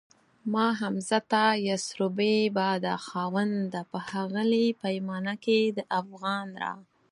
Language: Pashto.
ما حمزه ته يسربی باده خاونده په ښاغلي پیمانه کي دافغان را